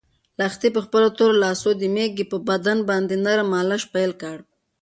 لښتې په خپلو تورو لاسو د مېږې په بدن باندې نرمه مالش پیل کړ.